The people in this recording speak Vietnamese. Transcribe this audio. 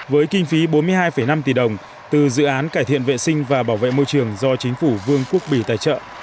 với kinh phí bốn mươi hai năm tỷ đồng từ dự án cải thiện vệ sinh và bảo vệ môi trường do chính phủ vương quốc bỉ tài trợ